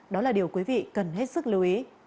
đó là điều quý vị cần hết sức lưu ý